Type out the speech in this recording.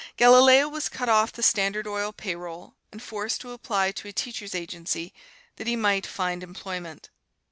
Galileo was cut off the Standard Oil payroll, and forced to apply to a teachers' agency, that he might find employment.